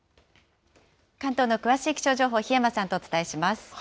関東の詳しい気象情報、檜山さんとお伝えします。